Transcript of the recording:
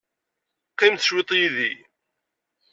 Qqimemt cwiṭ yid-i.